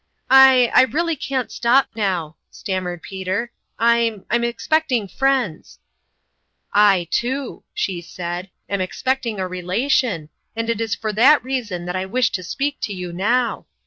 " I I really can't stop now," stammered Peter. " I I'm expecting friends !"" I, too," she said, " am expecting a relation, and it is for that reason that I wish to speak to you now.